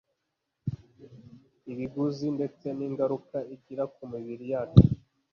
ibiguzi ndetse ningaruka igira ku mibiri yacu